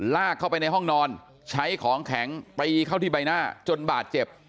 ลากเข้าไปในห้องนอนใช้ของแข็งตีเข้าที่ใบหน้าจนบาดเจ็บ